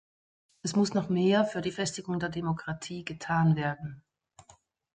Es muss noch mehr für die Festigung der Demokratie getan werden.